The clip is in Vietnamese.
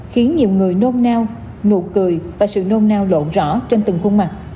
khiến nhiều người nôn nao nụ cười và sự nôn nao lộn rõ trên từng khuôn mặt